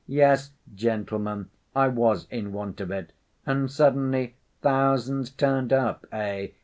"Yes, gentlemen, I was in want of it, and suddenly thousands turned up, eh?